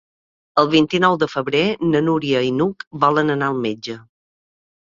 El vint-i-nou de febrer na Núria i n'Hug volen anar al metge.